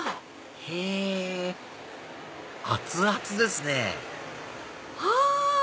へぇ熱々ですねあ！